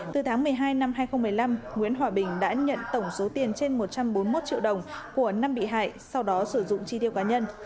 từ tháng một mươi hai năm hai nghìn một mươi năm nguyễn hòa bình đã nhận tổng số tiền trên một trăm bốn mươi một triệu đồng của năm bị hại sau đó sử dụng chi tiêu cá nhân